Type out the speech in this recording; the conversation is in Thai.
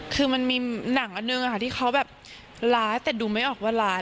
คือมันมีหนังอันหนึ่งที่เขาแบบร้ายแต่ดูไม่ออกว่าร้าย